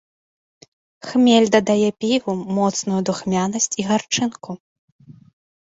Хмель дадае піву моцную духмянасць і гарчынку.